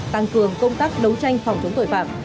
tăng cường công tác đấu tranh phòng chống tội phạm